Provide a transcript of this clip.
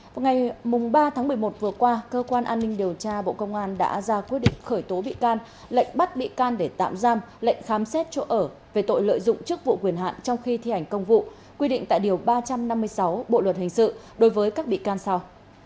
vào ngày ba tháng một mươi một vừa qua cơ quan an ninh điều tra bộ công an đã ra quyết định khởi tố bị can lệnh bắt bị can để tạm giam lệnh khám xét chỗ ở về tội lợi dụng chức vụ quyền hạn trong khi thi hành công vụ quy định tại điều ba trăm năm mươi sáu bộ luật hình sự đối với các bị can sau